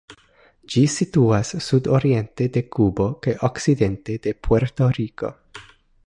Ĝi situas sudoriente de Kubo kaj okcidente de Puerto-Riko.